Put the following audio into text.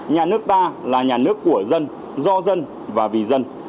nhà nước ta là nhà nước của dân do dân và vì dân